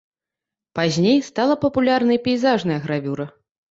Пазней стала папулярнай пейзажная гравюра.